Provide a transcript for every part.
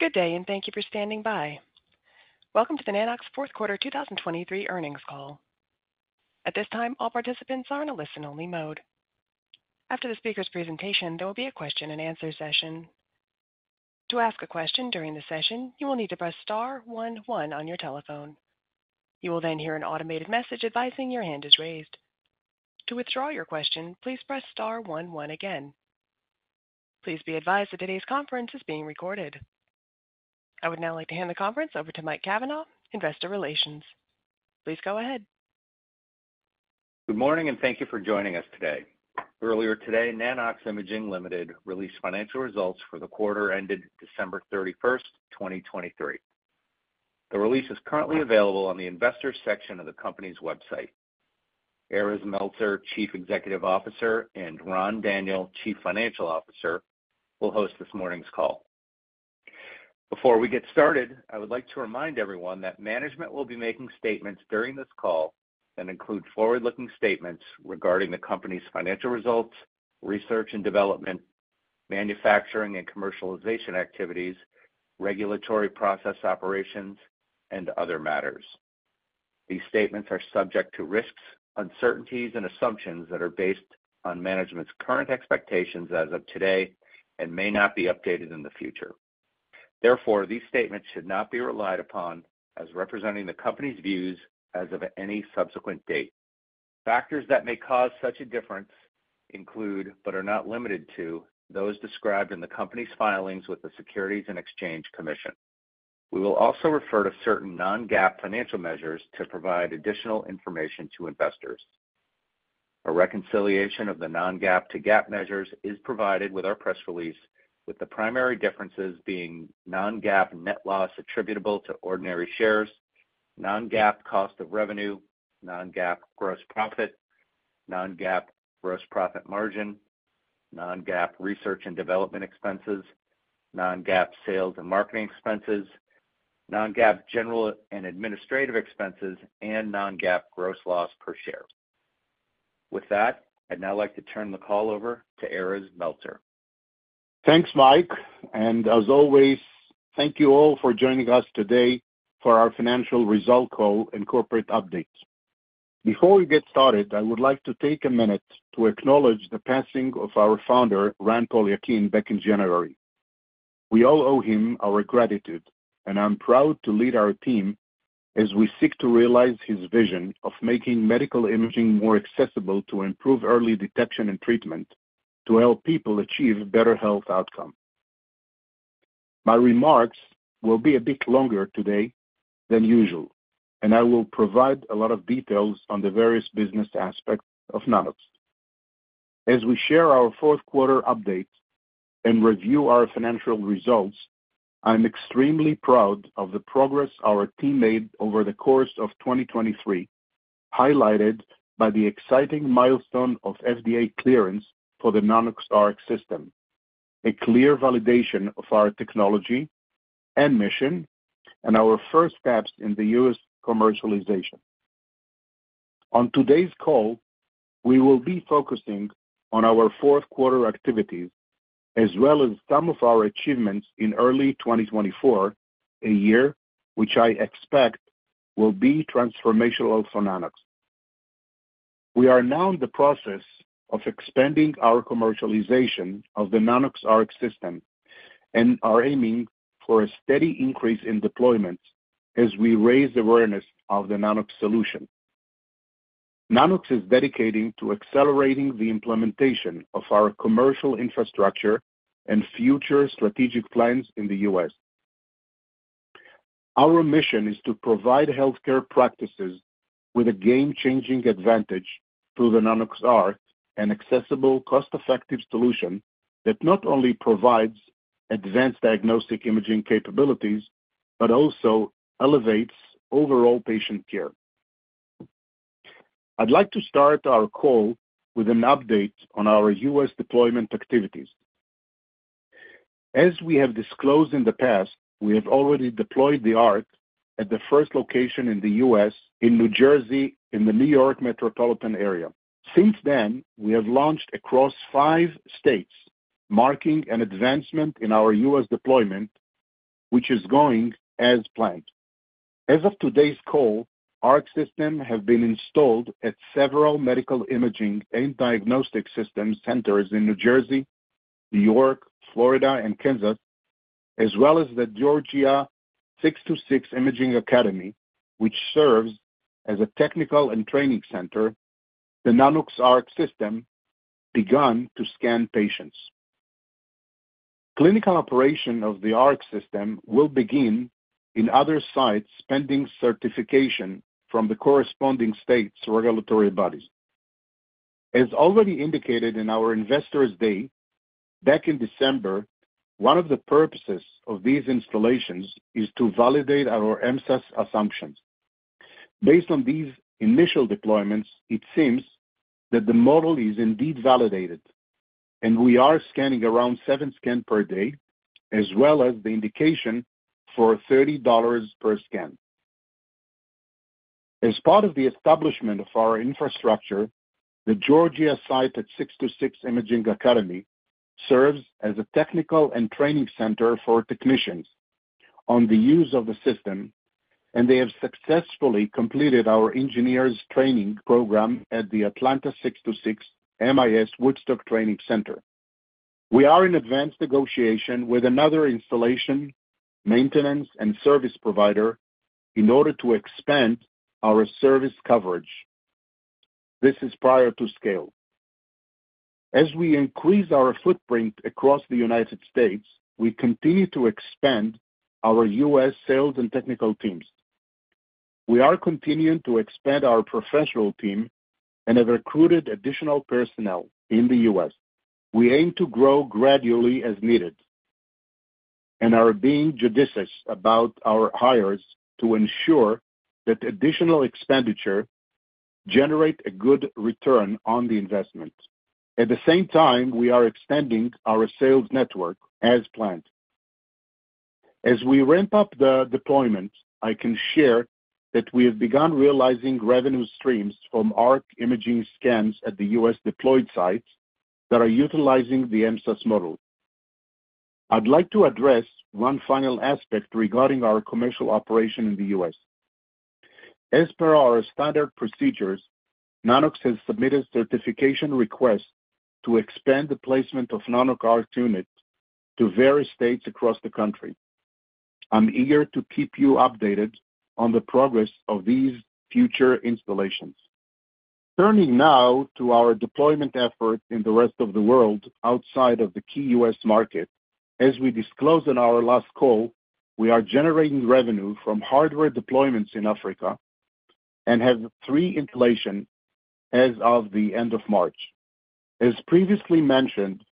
Good day, and thank you for standing by. Welcome to the Nanox Fourth Quarter 2023 Earnings Call. At this time, all participants are in a listen-only mode. After the speaker's presentation, there will be a question-and-answer session. To ask a question during the session, you will need to press star one one on your telephone. You will then hear an automated message advising your hand is raised. To withdraw your question, please press star one one again. Please be advised that today's conference is being recorded. I would now like to hand the conference over to Mike Cavanaugh, Investor Relations. Please go ahead. Good morning, and thank you for joining us today. Earlier today, Nanox Imaging Ltd released financial results for the quarter ended December 31, 2023. The release is currently available on the investors section of the company's website. Erez Meltzer, Chief Executive Officer, and Ran Daniel, Chief Financial Officer, will host this morning's call. Before we get started, I would like to remind everyone that management will be making statements during this call that include forward-looking statements regarding the company's financial results, research and development, manufacturing and commercialization activities, regulatory process operations, and other matters. These statements are subject to risks, uncertainties, and assumptions that are based on management's current expectations as of today and may not be updated in the future. Therefore, these statements should not be relied upon as representing the company's views as of any subsequent date. Factors that may cause such a difference include, but are not limited to, those described in the company's filings with the Securities and Exchange Commission. We will also refer to certain non-GAAP financial measures to provide additional information to investors. A reconciliation of the non-GAAP to GAAP measures is provided with our press release, with the primary differences being non-GAAP net loss attributable to ordinary shares, non-GAAP cost of revenue, non-GAAP gross profit, non-GAAP gross profit margin, non-GAAP research and development expenses, non-GAAP sales and marketing expenses, non-GAAP general and administrative expenses, and non-GAAP gross loss per share. With that, I'd now like to turn the call over to Erez Meltzer. Thanks, Mike, and as always, thank you all for joining us today for our financial result call and corporate update. Before we get started, I would like to take a minute to acknowledge the passing of our founder, Ran Poliakine, back in January. We all owe him our gratitude, and I'm proud to lead our team as we seek to realize his vision of making medical imaging more accessible to improve early detection and treatment, to help people achieve better health outcome. My remarks will be a bit longer today than usual, and I will provide a lot of details on the various business aspects of Nanox. As we share our fourth quarter update and review our financial results, I'm extremely proud of the progress our team made over the course of 2023, highlighted by the exciting milestone of FDA clearance for the Nanox.ARC system, a clear validation of our technology and mission and our first steps in the U.S. commercialization. On today's call, we will be focusing on our fourth quarter activities, as well as some of our achievements in early 2024, a year which I expect will be transformational for Nanox. We are now in the process of expanding our commercialization of the Nanox.ARC system and are aiming for a steady increase in deployments as we raise awareness of the Nanox solution. Nanox is dedicating to accelerating the implementation of our commercial infrastructure and future strategic plans in the U.S. Our mission is to provide healthcare practices with a game-changing advantage through the Nanox.ARC, an accessible, cost-effective solution that not only provides advanced diagnostic imaging capabilities, but also elevates overall patient care. I'd like to start our call with an update on our U.S. deployment activities. As we have disclosed in the past, we have already deployed the Arc at the first location in the U.S. in New Jersey, in the New York metropolitan area. Since then, we have launched across five states, marking an advancement in our U.S. deployment, which is going as planned. As of today's call, Arc systems have been installed at several medical imaging and diagnostic system centers in New Jersey, New York, Florida, and Kansas, as well as the Georgia 626 Imaging Academy, which serves as a technical and training center. The Nanox.ARC system has begun to scan patients. Clinical operation of the Arc system will begin in other sites, pending certification from the corresponding state's regulatory bodies. As already indicated in our Investors Day back in December, one of the purposes of these installations is to validate our MSaaS assumptions. Based on these initial deployments, it seems that the model is indeed validated, and we are scanning around 7 scans per day, as well as the indication for $30 per scan… As part of the establishment of our infrastructure, the Georgia site at 626 Imaging Academy serves as a technical and training center for technicians on the use of the system, and they have successfully completed our engineers training program at the Atlanta 626 MIS Woodstock Training Center. We are in advanced negotiation with another installation, maintenance, and service provider in order to expand our service coverage. This is prior to scale. As we increase our footprint across the United States, we continue to expand our U.S. sales and technical teams. We are continuing to expand our professional team and have recruited additional personnel in the U.S. We aim to grow gradually as needed, and are being judicious about our hires to ensure that additional expenditure generate a good return on the investment. At the same time, we are expanding our sales network as planned. As we ramp up the deployment, I can share that we have begun realizing revenue streams from Nanox.ARC imaging scans at the U.S. deployed sites that are utilizing the MSaaS model. I'd like to address one final aspect regarding our commercial operation in the U.S. As per our standard procedures, Nanox has submitted certification requests to expand the placement of Nanox.ARC units to various states across the country. I'm eager to keep you updated on the progress of these future installations. Turning now to our deployment effort in the rest of the world outside of the key US market. As we disclosed on our last call, we are generating revenue from hardware deployments in Africa and have three installations as of the end of March. As previously mentioned,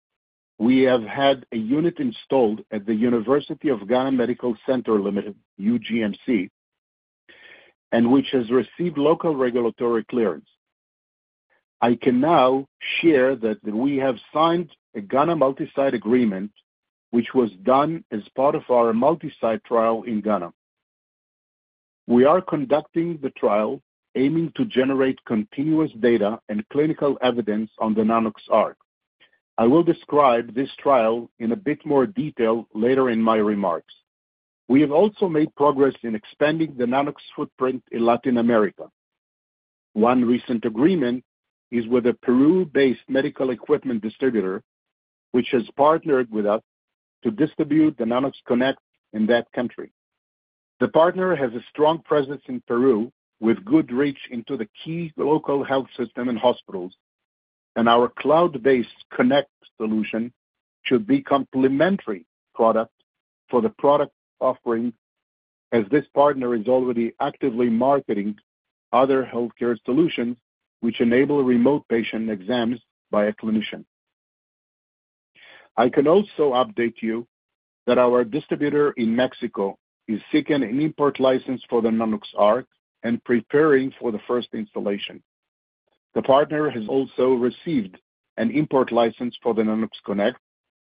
we have had a unit installed at the University of Ghana Medical Centre Limited, UGMC, and which has received local regulatory clearance. I can now share that we have signed a Ghana multi-site agreement, which was done as part of our multi-site trial in Ghana. We are conducting the trial, aiming to generate continuous data and clinical evidence on the Nanox.ARC. I will describe this trial in a bit more detail later in my remarks. We have also made progress in expanding the Nanox footprint in Latin America. One recent agreement is with a Peru-based medical equipment distributor, which has partnered with us to distribute the Nanox.CONNECT in that country. The partner has a strong presence in Peru, with good reach into the key local health system and hospitals, and our cloud-based Connect solution should be complementary product for the product offering, as this partner is already actively marketing other healthcare solutions which enable remote patient exams by a clinician. I can also update you that our distributor in Mexico is seeking an import license for the Nanox.ARC and preparing for the first installation. The partner has also received an import license for the Nanox.CONNECT,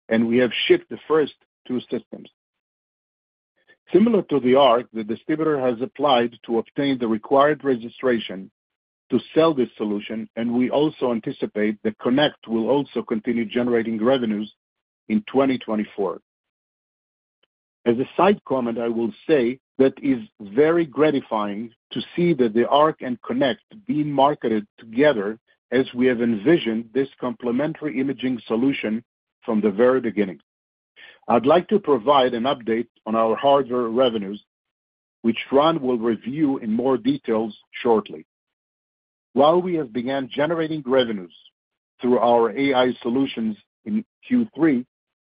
and we have shipped the first two systems. Similar to the ARC, the distributor has applied to obtain the required registration to sell this solution, and we also anticipate that Connect will also continue generating revenues in 2024. As a side comment, I will say that is very gratifying to see that the ARC and Connect being marketed together as we have envisioned this complementary imaging solution from the very beginning. I'd like to provide an update on our hardware revenues, which Ran will review in more details shortly. While we have began generating revenues through our AI solutions in Q3,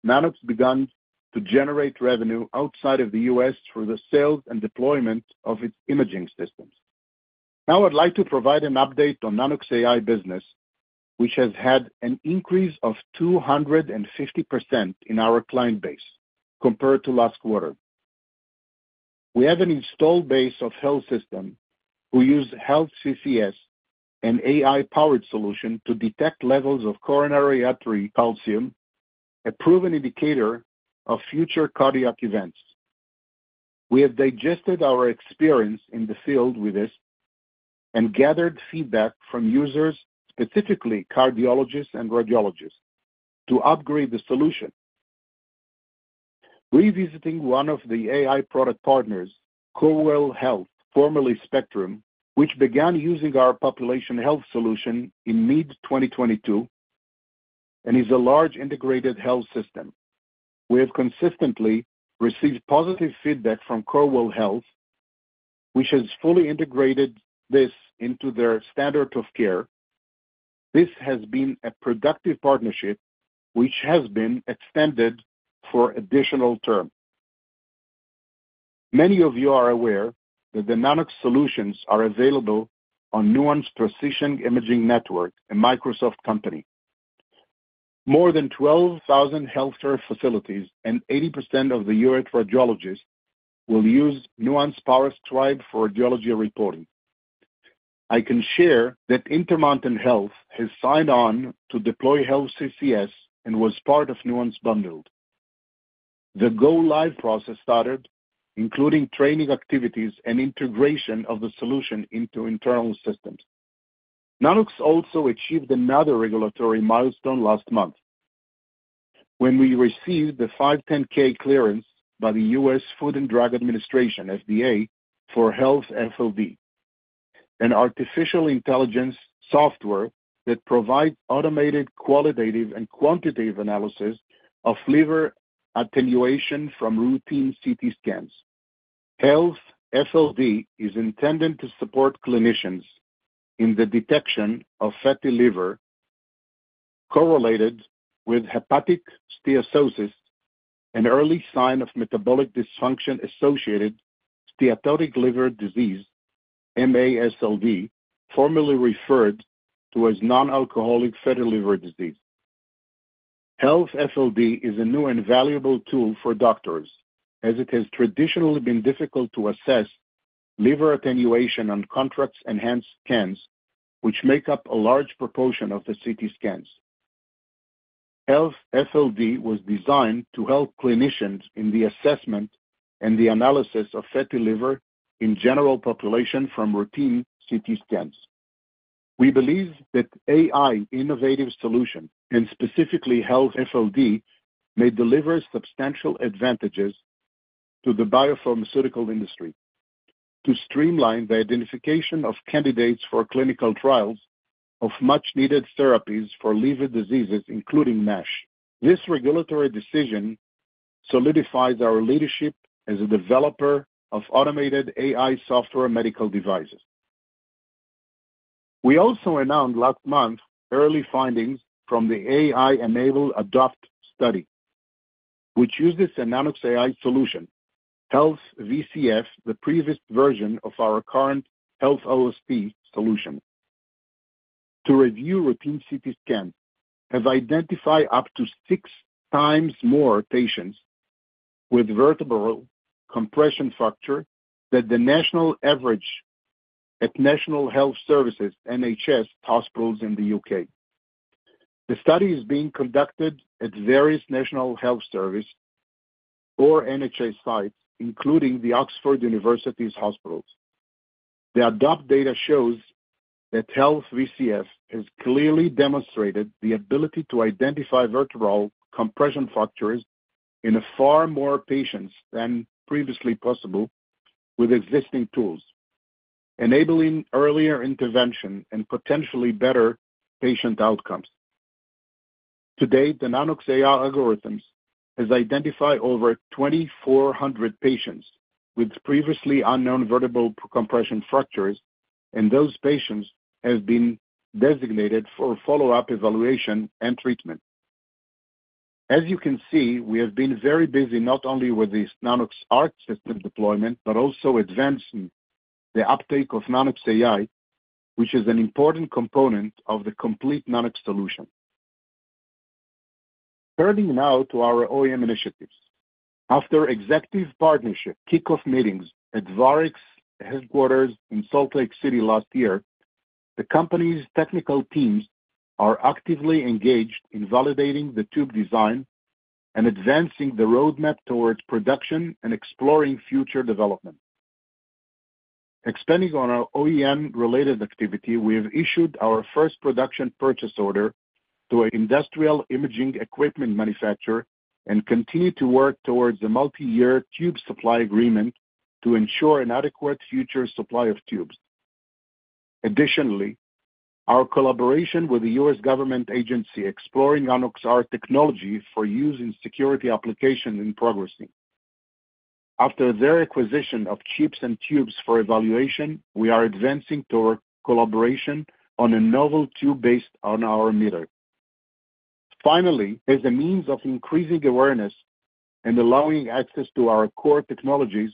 Nanox begun to generate revenue outside of the U.S. through the sales and deployment of its imaging systems. Now I'd like to provide an update on Nanox.AI business, which has had an increase of 250% in our client base compared to last quarter. We have an installed base of health system who use HealthCCS, an AI-powered solution, to detect levels of coronary artery calcium, a proven indicator of future cardiac events. We have digested our experience in the field with this and gathered feedback from users, specifically cardiologists and radiologists, to upgrade the solution. Revisiting one of the AI product partners, Corwell Health, formerly Spectrum, which began using our population health solution in mid-2022 and is a large integrated health system. We have consistently received positive feedback from Corwell Health, which has fully integrated this into their standard of care. This has been a productive partnership which has been extended for additional term. Many of you are aware that the Nanox solutions are available on Nuance Precision Imaging Network, a Microsoft company. More than 12,000 healthcare facilities and 80% of the U.S. radiologists will use Nuance PowerScribe for radiology reporting. I can share that Intermountain Health has signed on to deploy HealthCCS and was part of Nuance bundled.... The go live process started, including training activities and integration of the solution into internal systems. Nanox also achieved another regulatory milestone last month, when we received the 510(k) clearance by the U.S. Food and Drug Administration, FDA, for HealthFLD, an artificial intelligence software that provides automated, qualitative, and quantitative analysis of liver attenuation from routine CT scans. HealthFLD is intended to support clinicians in the detection of fatty liver correlated with hepatic steatosis, an early sign of metabolic dysfunction-associated steatotic liver disease, MASLD, formerly referred to as non-alcoholic fatty liver disease. HealthFLD is a new and valuable tool for doctors, as it has traditionally been difficult to assess liver attenuation on contrast-enhanced scans, which make up a large proportion of the CT scans. HealthFLD was designed to help clinicians in the assessment and the analysis of fatty liver in general population from routine CT scans. We believe that AI innovative solution, and specifically HealthFLD, may deliver substantial advantages to the biopharmaceutical industry to streamline the identification of candidates for clinical trials of much-needed therapies for liver diseases, including MASH. This regulatory decision solidifies our leadership as a developer of automated AI software medical devices. We also announced last month early findings from the AI-enabled ADOPT study, which uses the Nanox.AI solution, HealthVCF, the previous version of our current HealthOSP solution. To review, routine CT scans have identified up to six times more patients with vertebral compression fracture than the national average at National Health Service (NHS) hospitals in the UK. The study is being conducted at various National Health Service or NHS sites, including the Oxford University Hospitals. The ADOPT data shows that HealthVCF has clearly demonstrated the ability to identify vertebral compression fractures in far more patients than previously possible with existing tools, enabling earlier intervention and potentially better patient outcomes. To date, the Nanox.AI algorithms has identified over 2,400 patients with previously unknown vertebral compression fractures, and those patients have been designated for follow-up evaluation and treatment. As you can see, we have been very busy, not only with this Nanox.ARC system deployment, but also advancing the uptake of Nanox.AI, which is an important component of the complete Nanox solution. Turning now to our OEM initiatives. After executive partnership kickoff meetings at Varex's headquarters in Salt Lake City last year, the company's technical teams are actively engaged in validating the tube design and advancing the roadmap towards production and exploring future development. Expanding on our OEM-related activity, we have issued our first production purchase order to an industrial imaging equipment manufacturer and continue to work towards a multi-year tube supply agreement to ensure an adequate future supply of tubes. Additionally, our collaboration with the U.S. government agency exploring Nanox's technology for use in security applications is progressing. After their acquisition of chips and tubes for evaluation, we are advancing toward collaboration on a novel tube based on our emitter. Finally, as a means of increasing awareness and allowing access to our core technologies,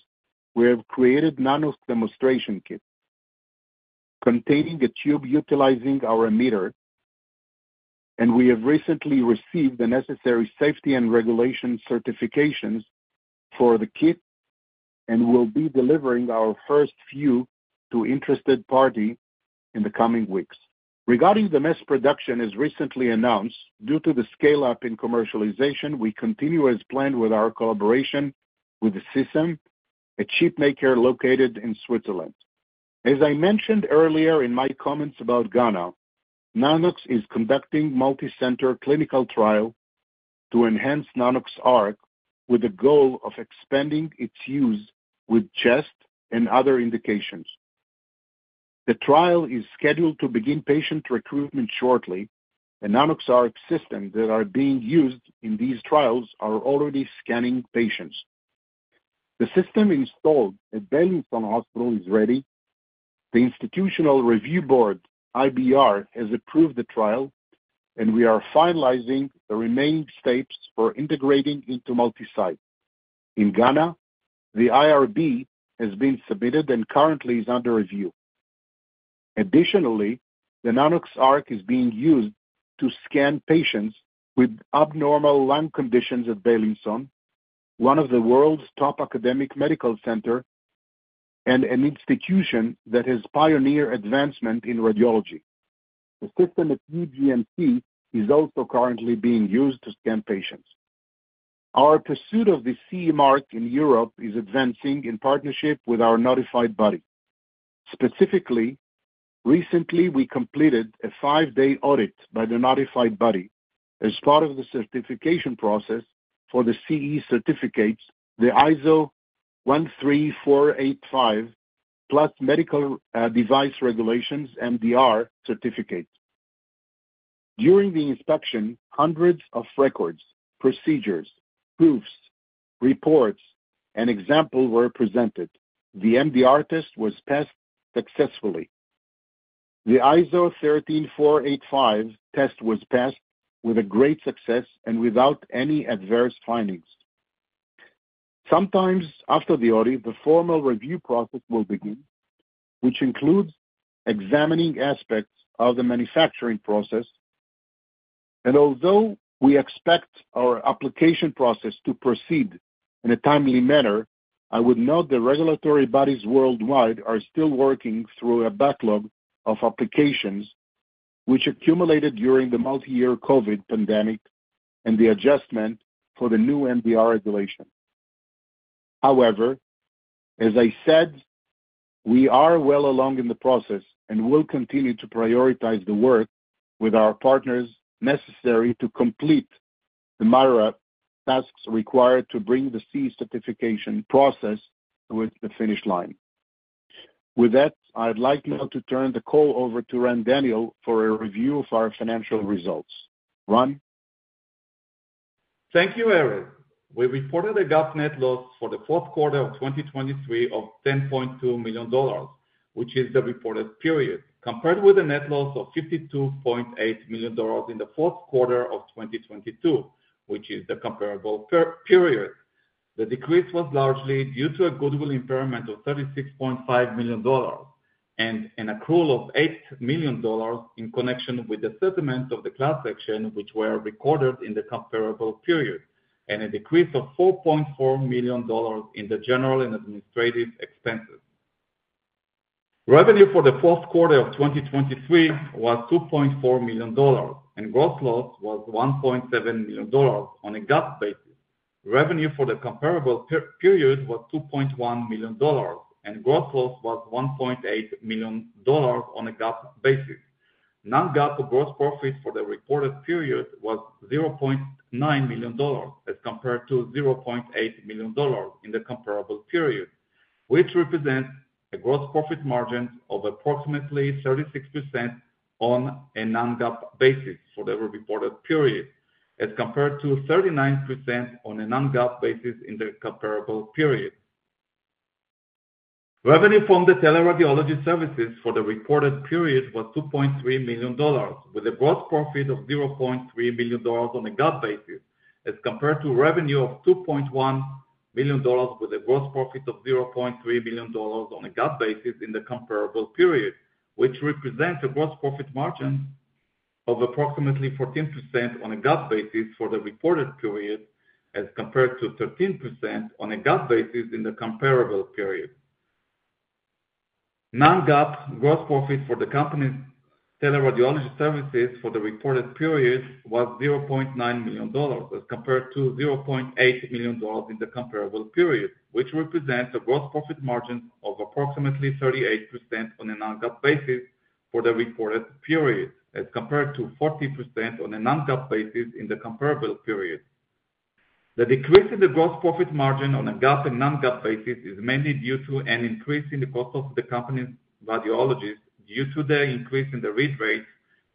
we have created a Nanox demonstration kit, containing a tube utilizing our emitter, and we have recently received the necessary safety and regulatory certifications for the kit, and we'll be delivering our first few to interested parties in the coming weeks. Regarding the mass production as recently announced, due to the scale-up in commercialization, we continue as planned with our collaboration with a supplier, a chip maker located in Switzerland. As I mentioned earlier in my comments about Ghana, Nanox is conducting multi-center clinical trial to enhance Nanox.ARC, with the goal of expanding its use with chest and other indications. The trial is scheduled to begin patient recruitment shortly, and Nanox.ARC systems that are being used in these trials are already scanning patients. The system installed at Beilinson Hospital is ready. The Institutional Review Board, IRB, has approved the trial, and we are finalizing the remaining steps for integrating into multi-site. In Ghana, the IRB has been submitted and currently is under review. Additionally, the Nanox.ARC is being used to scan patients with abnormal lung conditions at Beilinson, one of the world's top academic medical center-... an institution that has pioneer advancement in radiology. The system at UGMC is also currently being used to scan patients. Our pursuit of the CE mark in Europe is advancing in partnership with our notified body. Specifically, recently, we completed a 5-day audit by the notified body as part of the certification process for the CE certificates, the ISO 13485 plus Medical Device Regulations, MDR certificate. During the inspection, hundreds of records, procedures, proofs, reports, and examples were presented. The MDR test was passed successfully. The ISO 13485 test was passed with a great success and without any adverse findings. Sometime after the audit, the formal review process will begin, which includes examining aspects of the manufacturing process. Although we expect our application process to proceed in a timely manner, I would note the regulatory bodies worldwide are still working through a backlog of applications, which accumulated during the multi-year COVID pandemic and the adjustment for the new MDR regulation. However, as I said, we are well along in the process and will continue to prioritize the work with our partners necessary to complete the matter tasks required to bring the CE certification process toward the finish line. With that, I'd like now to turn the call over to Ran Daniel for a review of our financial results. Ran? Thank you, Erez. We reported a GAAP net loss for the fourth quarter of 2023 of $10.2 million, which is the reported period, compared with a net loss of $52.8 million in the fourth quarter of 2022, which is the comparable period. The decrease was largely due to a goodwill impairment of $36.5 million, and an accrual of $8 million in connection with the settlement of the class action, which were recorded in the comparable period, and a decrease of $4.4 million in the general and administrative expenses. Revenue for the fourth quarter of 2023 was $2.4 million, and gross loss was $1.7 million on a GAAP basis. Revenue for the comparable period was $2.1 million, and gross loss was $1.8 million on a GAAP basis. Non-GAAP gross profit for the reported period was $0.9 million, as compared to $0.8 million in the comparable period, which represents a gross profit margin of approximately 36% on a non-GAAP basis for the reported period, as compared to 39% on a non-GAAP basis in the comparable period. Revenue from the teleradiology services for the reported period was $2.3 million, with a gross profit of $0.3 million on a GAAP basis, as compared to revenue of $2.1 million, with a gross profit of $0.3 million on a GAAP basis in the comparable period, which represents a gross profit margin of approximately 14% on a GAAP basis for the reported period, as compared to 13% on a GAAP basis in the comparable period. Non-GAAP gross profit for the company's teleradiology services for the reported period was $0.9 million, as compared to $0.8 million in the comparable period, which represents a gross profit margin of approximately 38% on a non-GAAP basis for the reported period, as compared to 40% on a non-GAAP basis in the comparable period. The decrease in the gross profit margin on a GAAP and non-GAAP basis is mainly due to an increase in the cost of the company's radiologists due to the increase in the read rates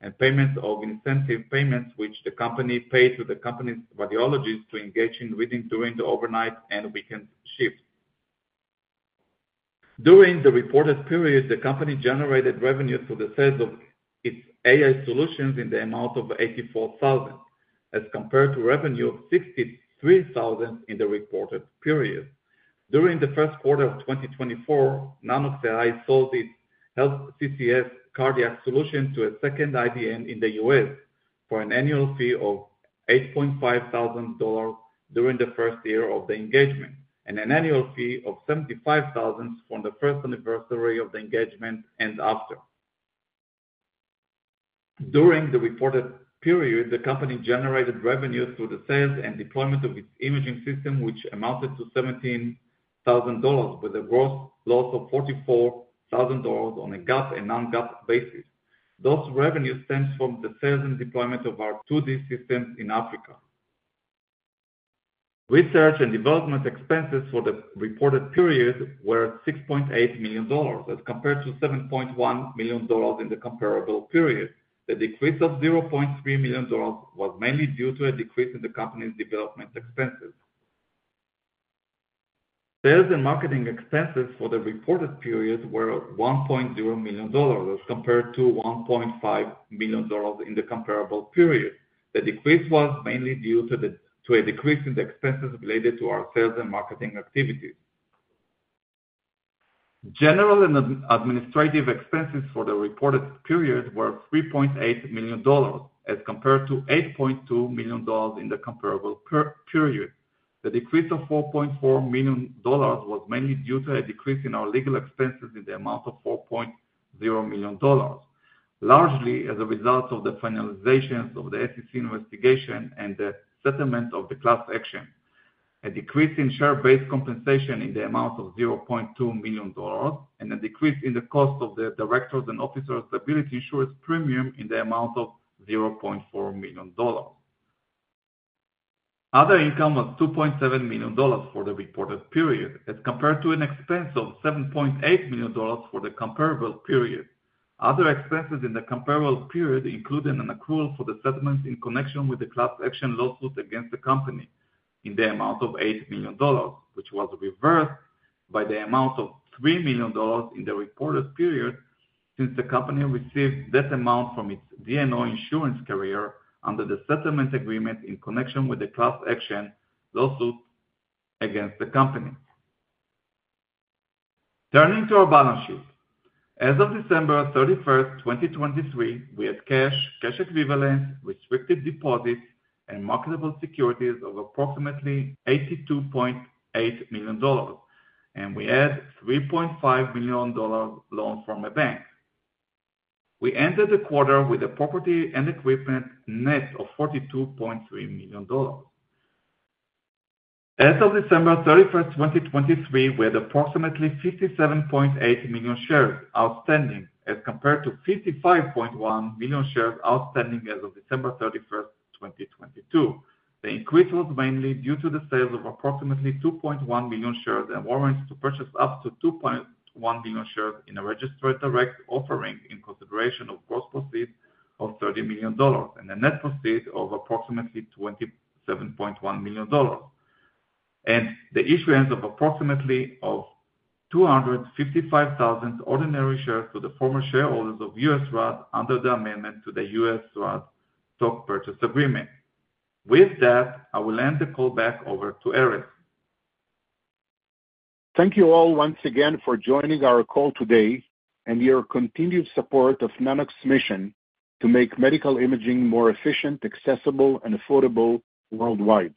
and payments of incentive payments, which the company paid to the company's radiologists to engage in reading during the overnight and weekend shifts. During the reported period, the company generated revenue for the sales of its AI solutions in the amount of $84,000, as compared to revenue of $63,000 in the reported period. During the first quarter of 2024, Nanox.AI sold its HealthCCS cardiac solution to a second IDN in the US for an annual fee of $8,500 during the first year of the engagement, and an annual fee of $75,000 from the first anniversary of the engagement and after. During the reported period, the company generated revenues through the sales and deployment of its imaging system, which amounted to $17,000, with a gross loss of $44,000 on a GAAP and non-GAAP basis. Those revenues stems from the sales and deployment of our 2D systems in Africa. Research and development expenses for the reported period were $6.8 million, as compared to $7.1 million in the comparable period. The decrease of $0.3 million was mainly due to a decrease in the company's development expenses. Sales and marketing expenses for the reported period were $1.0 million, as compared to $1.5 million in the comparable period. The decrease was mainly due to to a decrease in the expenses related to our sales and marketing activities. General and administrative expenses for the reported period were $3.8 million, as compared to $8.2 million in the comparable period. The decrease of $4.4 million was mainly due to a decrease in our legal expenses in the amount of $4.0 million, largely as a result of the finalizations of the SEC investigation and the settlement of the class action. A decrease in share-based compensation in the amount of $0.2 million, and a decrease in the cost of the directors and officers' liability insurance premium in the amount of $0.4 million. Other income was $2.7 million for the reported period, as compared to an expense of $7.8 million for the comparable period. Other expenses in the comparable period included an accrual for the settlement in connection with the class action lawsuit against the company in the amount of $8 million, which was reversed by the amount of $3 million in the reported period, since the company received this amount from its D&O insurance carrier under the settlement agreement in connection with the class action lawsuit against the company. Turning to our balance sheet. As of December 31, 2023, we had cash, cash equivalents, restricted deposits, and marketable securities of approximately $82.8 million, and we had $3.5 million loan from a bank. We ended the quarter with a property and equipment net of $42.3 million. As of December 31, 2023, we had approximately 57.8 million shares outstanding, as compared to 55.1 million shares outstanding as of December 31, 2022. The increase was mainly due to the sales of approximately 2.1 million shares and warrants to purchase up to 2.1 million shares in a registered direct offering in consideration of gross proceeds of $30 million, and a net proceeds of approximately $27.1 million, and the issuance of approximately 255,000 ordinary shares to the former shareholders of USARAD under the amendment to the USARAD stock purchase agreement. With that, I will hand the call back over to Erez. Thank you all once again for joining our call today, and your continued support of Nanox's mission to make medical imaging more efficient, accessible, and affordable worldwide.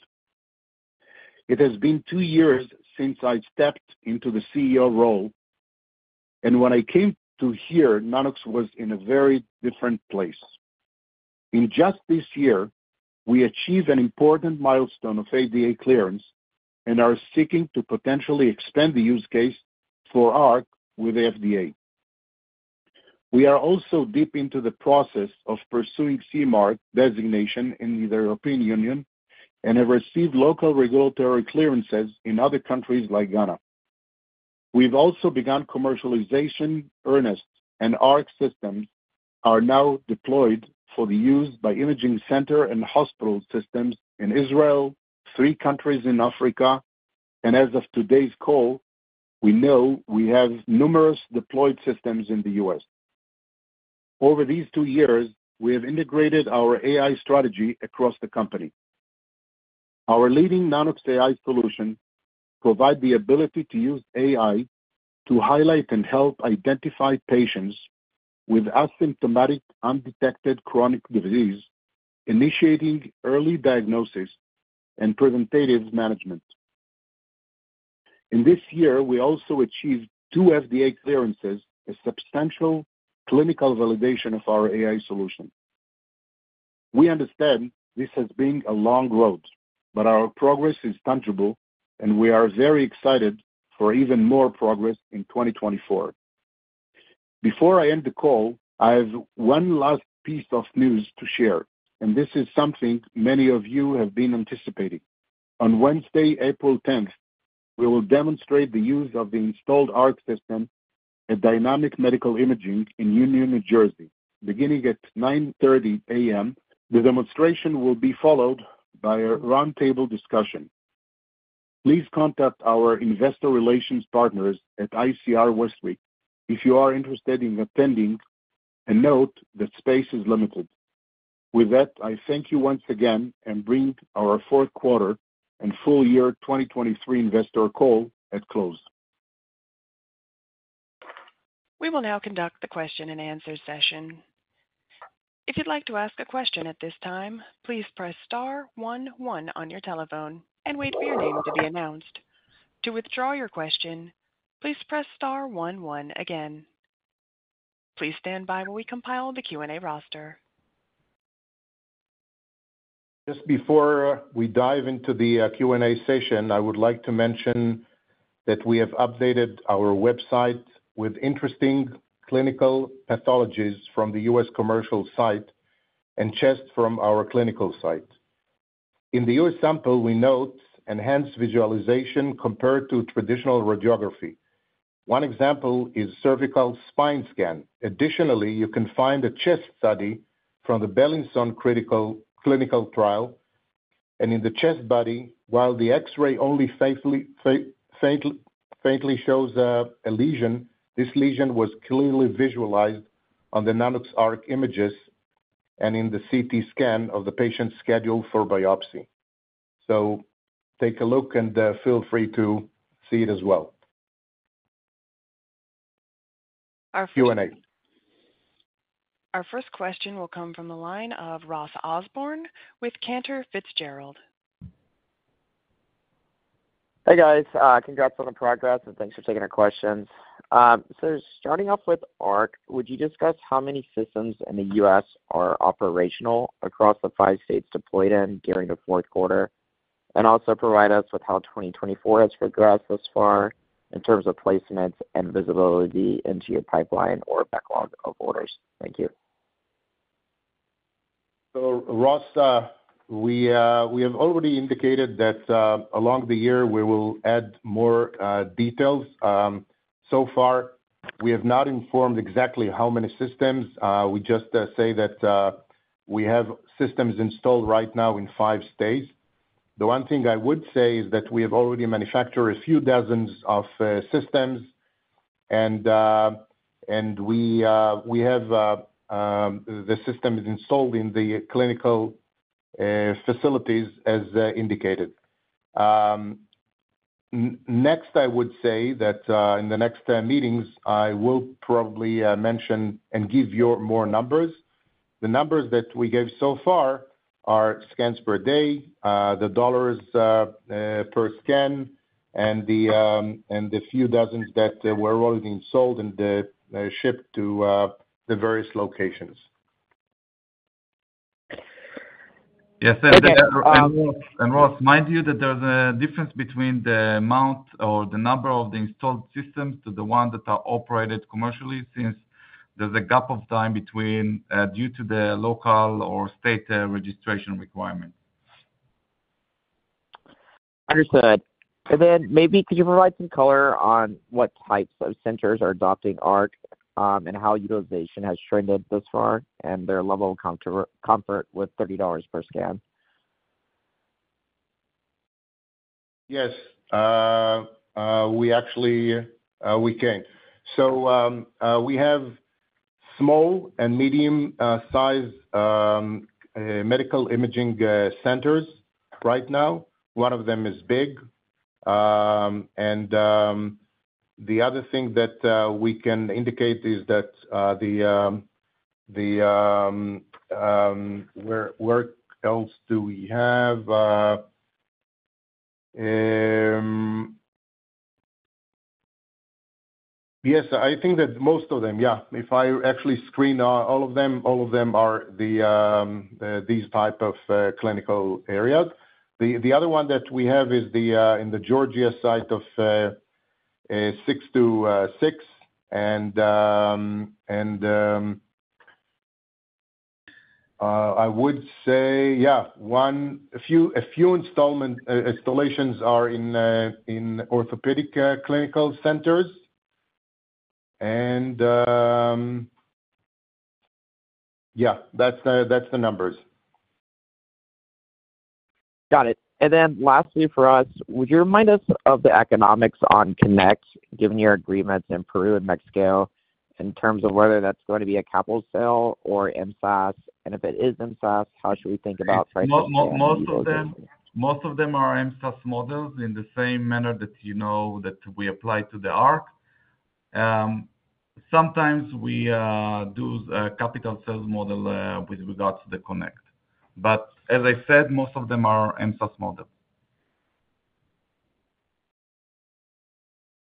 It has been two years since I stepped into the CEO role, and when I came here, Nanox was in a very different place. In just this year, we achieved an important milestone of FDA clearance and are seeking to potentially expand the use case for Arc with the FDA. We are also deep into the process of pursuing CE mark designation in the European Union and have received local regulatory clearances in other countries like Ghana. We've also begun commercialization. Nanox.ARC systems are now deployed for the use by imaging center and hospital systems in Israel, three countries in Africa, and as of today's call, we know we have numerous deployed systems in the US. Over these two years, we have integrated our AI strategy across the company. Our leading Nanox.AI solution provide the ability to use AI to highlight and help identify patients with asymptomatic, undetected chronic disease, initiating early diagnosis and preventative management. In this year, we also achieved two FDA clearances, a substantial clinical validation of our AI solution. We understand this has been a long road, but our progress is tangible, and we are very excited for even more progress in 2024. Before I end the call, I have one last piece of news to share, and this is something many of you have been anticipating. On Wednesday, April 10th, we will demonstrate the use of the installed Nanox.ARC system at Dynamic Medical Imaging in Union, New Jersey, beginning at 9:30 A.M. The demonstration will be followed by a roundtable discussion. Please contact our investor relations partners at ICR Westwicke if you are interested in attending, and note that space is limited. With that, I thank you once again and bring our fourth quarter and full year 2023 investor call to close. We will now conduct the question-and-answer session. If you'd like to ask a question at this time, please press star one one on your telephone and wait for your name to be announced. To withdraw your question, please press star one one again. Please stand by while we compile the Q&A roster. Just before we dive into the Q&A session, I would like to mention that we have updated our website with interesting clinical pathologies from the US commercial site and chest from our clinical site. In the US sample, we note enhanced visualization compared to traditional radiography. One example is cervical spine scan. Additionally, you can find a chest study from the Beilinson Clinical Trial, and in the chest study, while the X-ray only faintly shows a lesion, this lesion was clearly visualized on the Nanox.ARC images and in the CT scan of the patient scheduled for biopsy. So take a look and feel free to see it as well. Our first question will come from the line of Ross Osborn with Cantor Fitzgerald. Hey, guys. Congrats on the progress, and thanks for taking our questions. So starting off with Arc, would you discuss how many systems in the US are operational across the five states deployed in during the fourth quarter? And also provide us with how 2024 has progressed thus far in terms of placements and visibility into your pipeline or backlog of orders. Thank you. So Ross, we have already indicated that along the year, we will add more details. So far, we have not informed exactly how many systems. We just say that we have systems installed right now in five states. The one thing I would say is that we have already manufactured a few dozen systems, and we have the system installed in the clinical facilities, as indicated. Next, I would say that in the next meetings, I will probably mention and give you more numbers. The numbers that we gave so far are scans per day, the dollars per scan, and the few dozen that were already installed and shipped to the various locations. Yes, and Ross, mind you, that there's a difference between the amount or the number of the installed systems to the ones that are operated commercially, since there's a gap of time between due to the local or state registration requirement. Understood. And then maybe could you provide some color on what types of centers are adopting Arc, and how utilization has trended thus far, and their level of comfort with $30 per scan? Yes. We actually can. So, we have small and medium size medical imaging centers right now. One of them is big. And, the other thing that we can indicate is that, the... Where else do we have? Yes, I think that most of them, yeah. If I actually screen all of them, all of them are these type of clinical areas. The other one that we have is the in the Georgia site of 626, and, and, I would say, yeah, one... A few installations are in orthopedic clinical centers. And, yeah, that's the numbers. Got it. And then lastly for us, would you remind us of the economics on Connect, given your agreements in Peru and Mexico, in terms of whether that's going to be a capital sale or mSaaS? And if it is mSaaS, how should we think about pricing- Most of them, most of them are mSaaS models in the same manner that you know that we apply to the Arc. Sometimes we do a capital sales model with regards to the Connect, but as I said, most of them are mSaaS model.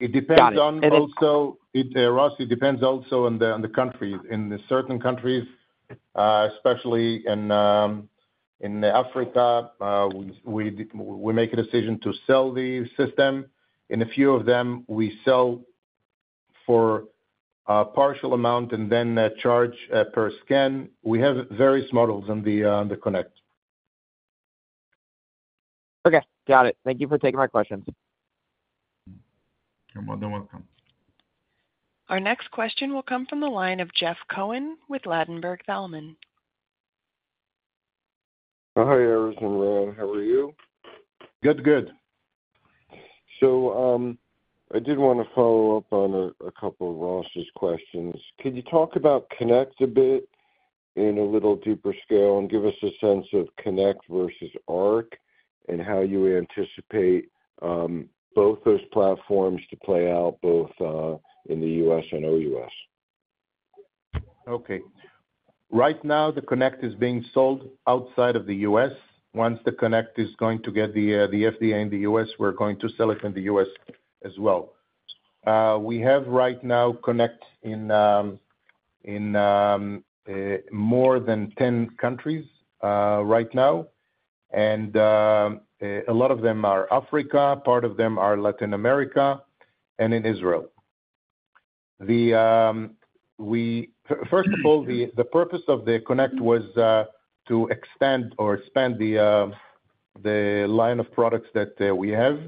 It depends on also- Got it. It, Ross, it depends also on the countries. In the certain countries, especially in Africa, we make a decision to sell the system. In a few of them, we sell for a partial amount and then charge per scan. We have various models on the Connect. Okay, got it. Thank you for taking my questions. You're more than welcome. Our next question will come from the line of Jeff Cohen with Ladenburg Thalmann. Hi, Erez and Ron. How are you? Good, good. So, I did want to follow up on a couple of Ross's questions. Could you talk about Connect a bit in a little deeper scale and give us a sense of Connect versus Arc, and how you anticipate both those platforms to play out both in the US and OUS? Okay. Right now, the Connect is being sold outside of the U.S. Once the Connect is going to get the FDA in the U.S., we're going to sell it in the U.S. as well. We have right now Connect in in more than 10 countries, right now, and a lot of them are Africa, part of them are Latin America and in Israel. First of all, the purpose of the Connect was to extend or expand the line of products that we have.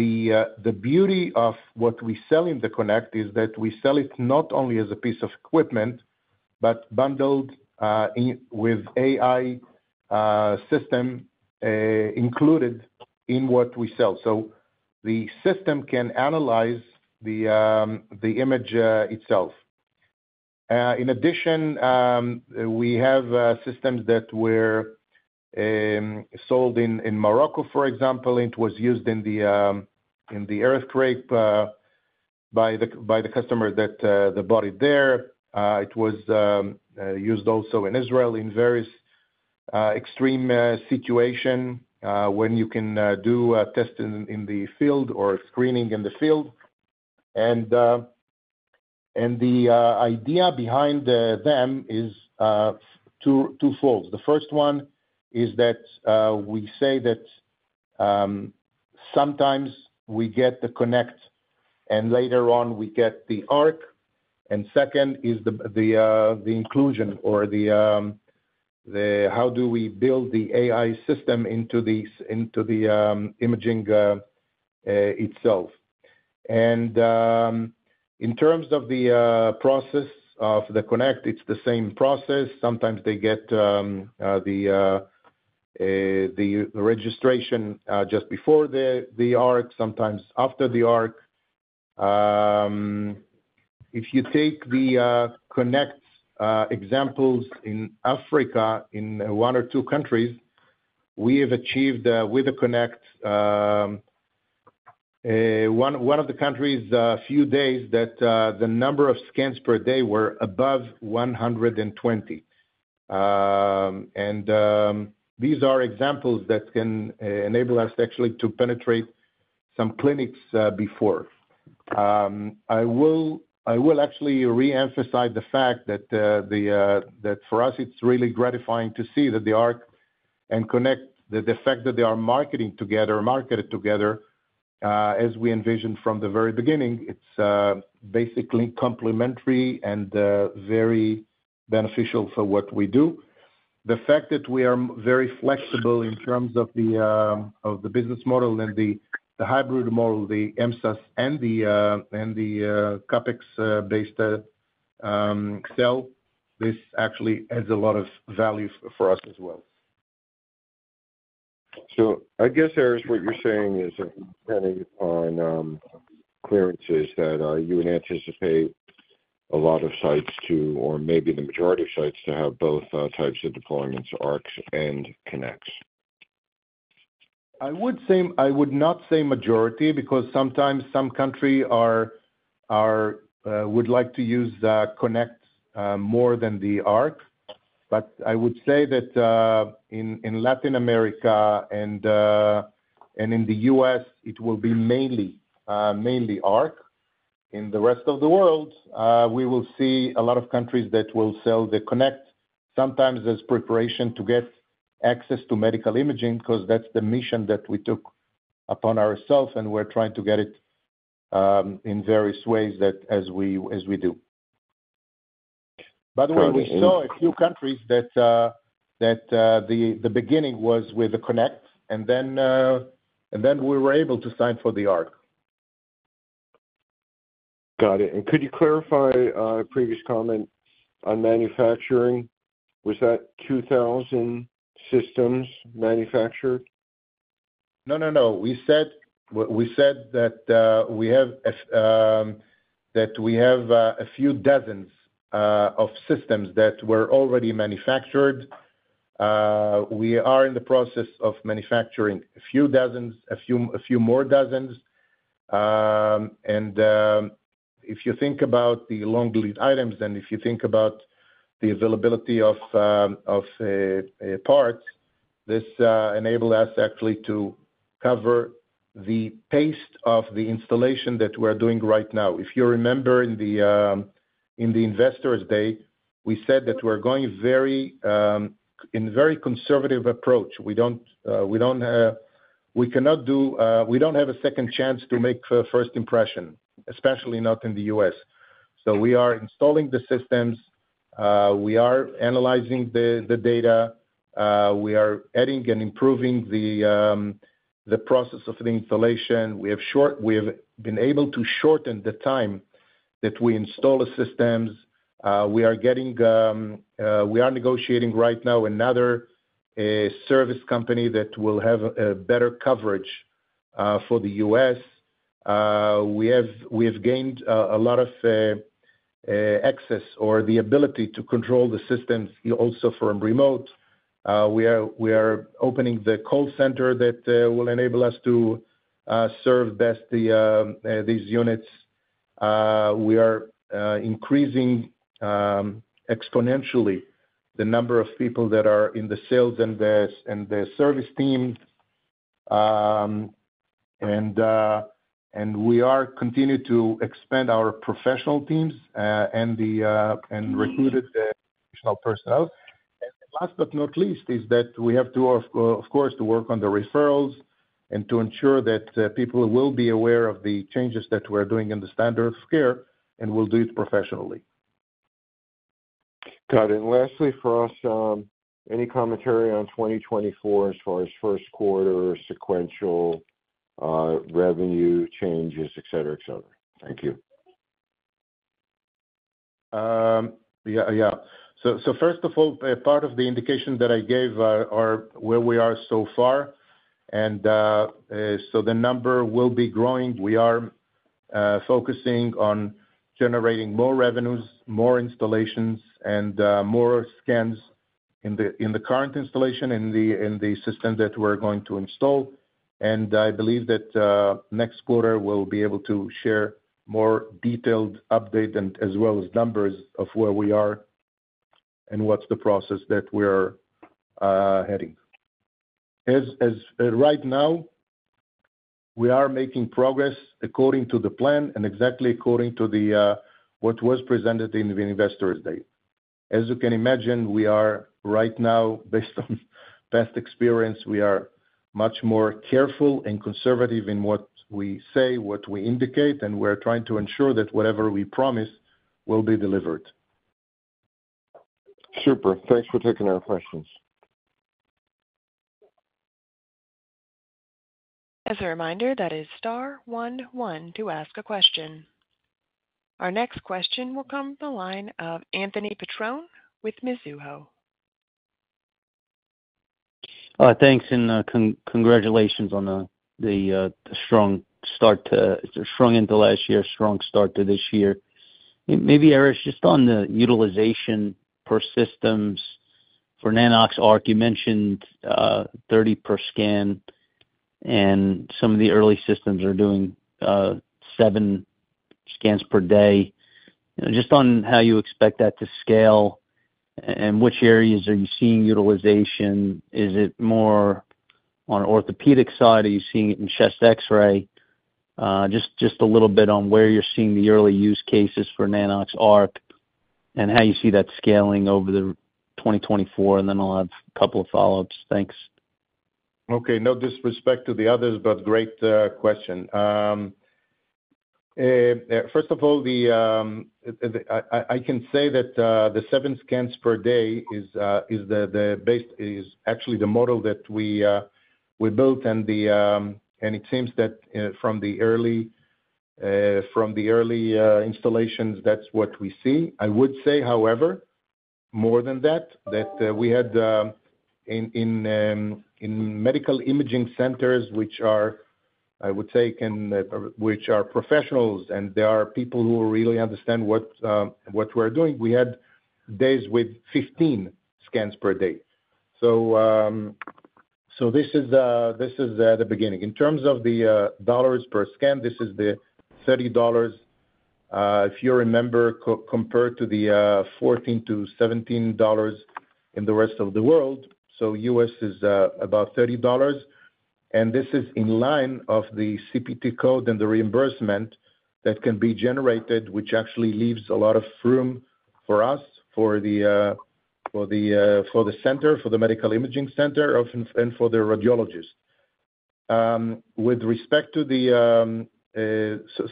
And the beauty of what we sell in the Connect is that we sell it not only as a piece of equipment, but bundled in with AI system included in what we sell. So the system can analyze the image itself. In addition, we have systems that were sold in Morocco, for example. It was used in the earthquake by the customer that bought it there. It was used also in Israel, in various extreme situations when you can do a test in the field or screening in the field. And the idea behind them is twofold. The first one is that we say that sometimes we get the Connect, and later on we get the Arc. And second is the inclusion or the how do we build the AI system into these into the imaging itself. In terms of the process of the Connect, it's the same process. Sometimes they get the registration just before the Arc, sometimes after the Arc. If you take the Connect examples in Africa, in one or two countries, we have achieved with the Connect, one of the countries, a few days that the number of scans per day were above 120. And these are examples that can enable us actually to penetrate some clinics before. I will actually reemphasize the fact that for us it's really gratifying to see that the Arc and Connect, the fact that they are marketing together, marketed together, as we envisioned from the very beginning, it's basically complementary and very beneficial for what we do. The fact that we are very flexible in terms of the business model and the hybrid model, the MSAS and the CapEx-based sell. This actually adds a lot of value for us as well. So I guess, Erez, what you're saying is that depending on clearances, you would anticipate a lot of sites to, or maybe the majority of sites, to have both types of deployments, Arcs and Connects? I would say I would not say majority, because sometimes some country are would like to use Connect more than the Arc. But I would say that in Latin America and in the U.S., it will be mainly Arc. In the rest of the world, we will see a lot of countries that will sell the Connect, sometimes as preparation to get access to medical imaging, because that's the mission that we took upon ourselves, and we're trying to get it in various ways that as we do. By the way, we saw a few countries that the beginning was with the Connect, and then we were able to sign for the Arc. Got it. Could you clarify previous comment on manufacturing? Was that 2000 systems manufactured? No, no, no. We said, we said that we have, that we have a few dozens of systems that were already manufactured. We are in the process of manufacturing a few dozens, a few, a few more dozens. And if you think about the long lead items, and if you think about the availability of, of a parts, this enabled us actually to cover the pace of the installation that we're doing right now. If you remember in the, in the Investors' Day, we said that we're going very, in very conservative approach. We don't, we don't, we cannot do. We don't have a second chance to make first impression, especially not in the US. We are installing the systems, we are analyzing the data, we are adding and improving the process of the installation. We have been able to shorten the time that we install the systems. We are negotiating right now another service company that will have a better coverage for the U.S. We have gained a lot of access or the ability to control the systems, also from remote. We are opening the call center that will enable us to serve best these units. We are increasing exponentially the number of people that are in the sales and the service team. We are continuing to expand our professional teams and recruited the professional personnel. And last but not least is that we have to, of course, work on the referrals and to ensure that people will be aware of the changes that we're doing in the standard of care, and we'll do it professionally. Got it. And lastly, for us, any commentary on 2024 as far as first quarter sequential revenue changes, et cetera, et cetera? Thank you. Yeah, yeah. So first of all, part of the indication that I gave are where we are so far. And so the number will be growing. We are focusing on generating more revenues, more installations, and more scans in the current installation, in the system that we're going to install. And I believe that next quarter, we'll be able to share more detailed update and as well as numbers of where we are and what's the process that we're heading. As right now, we are making progress according to the plan and exactly according to what was presented in the Investors' Day. As you can imagine, we are right now, based on past experience, we are much more careful and conservative in what we say, what we indicate, and we're trying to ensure that whatever we promise will be delivered. Super. Thanks for taking our questions. As a reminder, that is star one one to ask a question. Our next question will come from the line of Anthony Petrone with Mizuho. Thanks, and congratulations on the strong start to last year, strong start to this year. Maybe, Erez, just on the utilization per systems for Nanox.ARC, you mentioned 30 per scan, and some of the early systems are doing seven scans per day. Just on how you expect that to scale, and which areas are you seeing utilization? Is it more on orthopedic side, are you seeing it in chest X-ray? Just a little bit on where you're seeing the early use cases for Nanox.ARC and how you see that scaling over the 2024, and then I'll have a couple of follow-ups. Thanks. Okay. No disrespect to the others, but great question. First of all, the, I can say that, the seven scans per day is, the base-- is actually the model that we built, and the. And it seems that, from the early installations, that's what we see. I would say, however, more than that, we had, in medical imaging centers, which are, I would say, professionals, and there are people who really understand what we're doing. We had days with 15 scans per day. So, this is the beginning. In terms of the dollars per scan, this is the $30, if you remember, compared to the $14-$17 in the rest of the world. So US is about $30, and this is in line of the CPT code and the reimbursement that can be generated, which actually leaves a lot of room for us, for the center, for the medical imaging center, and for the radiologist. With respect to the,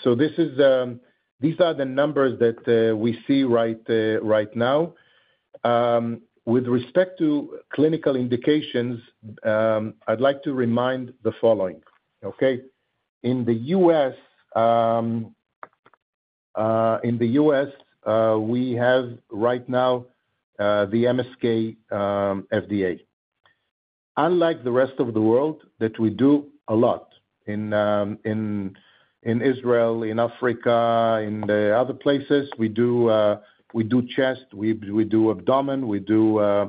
so this is these are the numbers that we see right now. With respect to clinical indications, I'd like to remind the following, okay? In the US, in the US, we have right now the MSK FDA. Unlike the rest of the world that we do a lot in, in Israel, in Africa, in the other places, we do chest, we do abdomen, we do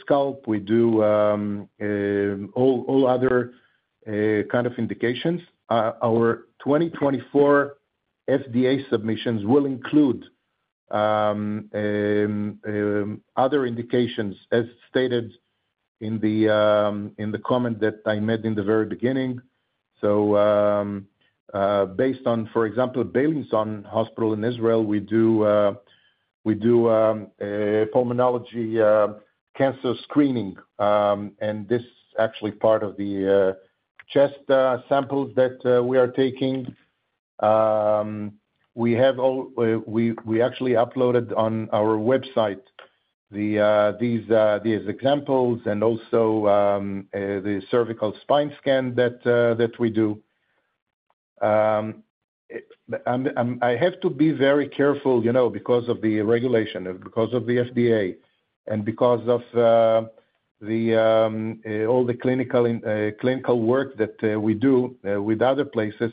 scalp, we do all other kind of indications. Our 2024 FDA submissions will include other indications, as stated in the comment that I made in the very beginning. So, based on, for example, Beilinson Hospital in Israel, we do pulmonology, cancer screening, and this actually part of the chest samples that we are taking. We have all, we actually uploaded on our website these examples and also the cervical spine scan that we do. I have to be very careful, you know, because of the regulation, because of the FDA, and because of all the clinical work that we do with other places.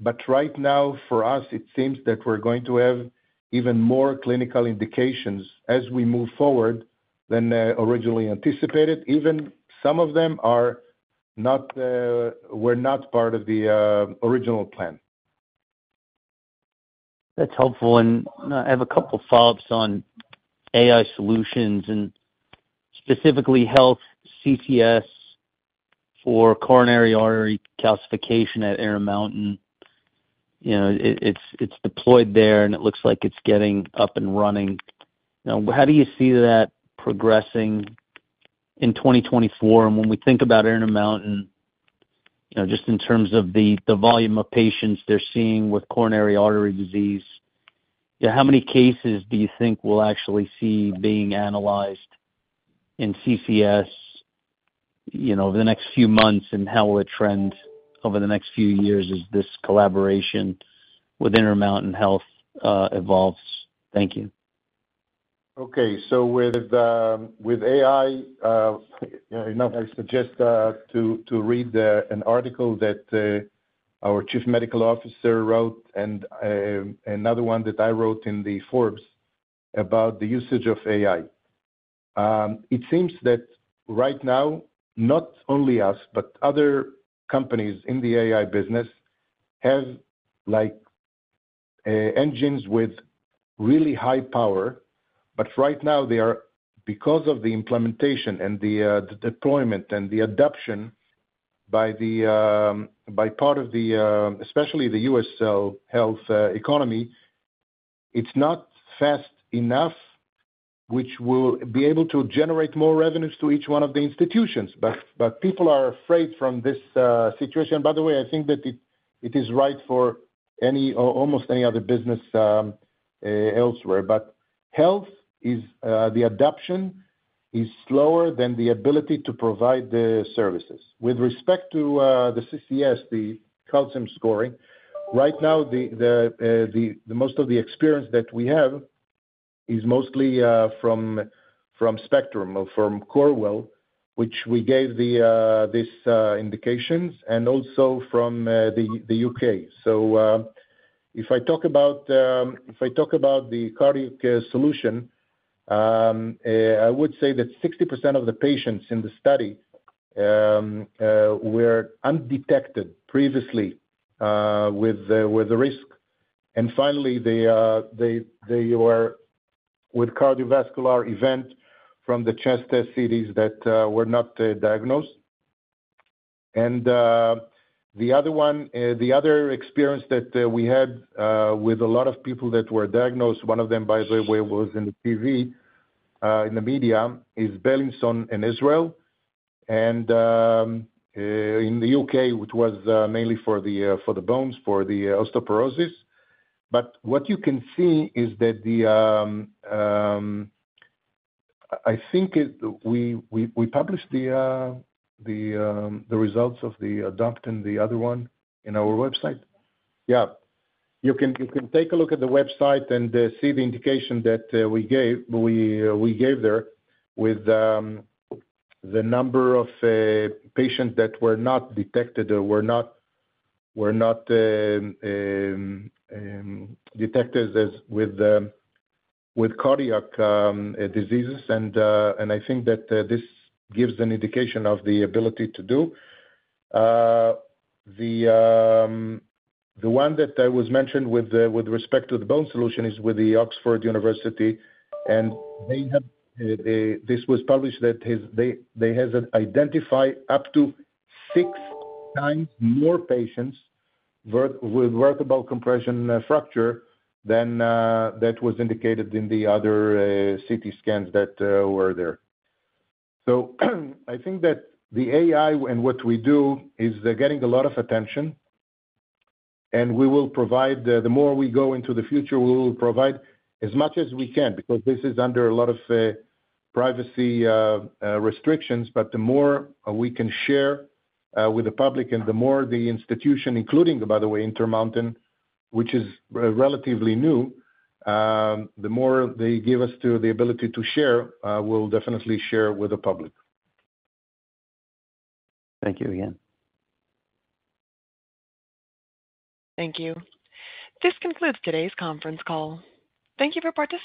But right now, for us, it seems that we're going to have even more clinical indications as we move forward than originally anticipated. Even some of them were not part of the original plan. That's helpful, and I have a couple follow-ups on AI solutions and specifically HealthCCS for coronary artery calcification at Intermountain. You know, it's deployed there, and it looks like it's getting up and running. Now, how do you see that progressing in 2024? And when we think about Intermountain, you know, just in terms of the volume of patients they're seeing with coronary artery disease, how many cases do you think we'll actually see being analyzed in CCS, you know, over the next few months? And how will it trend over the next few years as this collaboration with Intermountain Health evolves? Thank you. Okay, so with AI, you know, I suggest to read an article that our Chief Medical Officer wrote and another one that I wrote in Forbes about the usage of AI. It seems that right now, not only us, but other companies in the AI business have, like, engines with really high power, but right now they are, because of the implementation and the deployment and the adoption by the by part of the especially the US healthcare economy, it's not fast enough, which will be able to generate more revenues to each one of the institutions. But people are afraid from this situation. By the way, I think that it is right for any or almost any other business elsewhere. But health is, the adoption is slower than the ability to provide the services. With respect to, the CCS, the calcium scoring, right now, the most of the experience that we have is mostly from Spectrum or from Corwell, which we gave the this indications, and also from the UK. So, if I talk about the cardiac solution, I would say that 60% of the patients in the study were undetected previously with the risk. And finally, they were with cardiovascular event from the chest CTs that were not diagnosed. The other one, the other experience that we had with a lot of people that were diagnosed, one of them, by the way, was on TV, in the media, is Beilinson in Israel, and in the UK, which was mainly for the bones, for the osteoporosis. But what you can see is that. I think we published the results of the ADOPT and the other one in our website. Yeah. You can take a look at the website and see the indication that we gave there with the number of patients that were not detected or were not detected as with cardiac diseases. I think that this gives an indication of the ability to do. The one that I was mentioned with respect to the bone solution is with the Oxford University, and they have this was published, that is, they have identified up to six times more patients with vertebral compression fracture than that was indicated in the other CT scans that were there. So, I think that the AI and what we do is they're getting a lot of attention, and we will provide the... The more we go into the future, we will provide as much as we can, because this is under a lot of privacy restrictions. But the more we can share with the public and the more the institution, including, by the way, Intermountain, which is relatively new, the more they give us the ability to share. We'll definitely share with the public. Thank you again. Thank you. This concludes today's conference call. Thank you for participating.